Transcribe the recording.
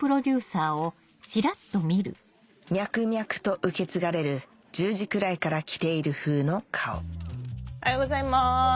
脈々と受け継がれる１０時くらいから来ているふうの顔おはようございます。